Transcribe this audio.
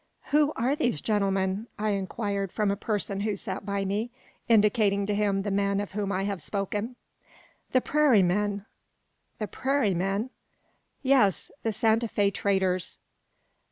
"Who are these gentlemen?" I inquired from a person who sat by me, indicating to him the men of whom I have spoken. "The prairie men." "The prairie men!" "Yes; the Santa Fe traders."